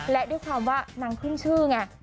และด้วยความว่านางขึ้นชื่อไง